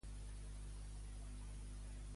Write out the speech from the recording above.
Com defineix l'estat espanyol?